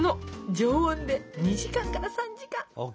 常温で２時間から３時間。ＯＫ。